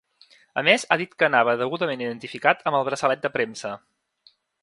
A més, ha dit que anava degudament identificat amb el braçalet de premsa.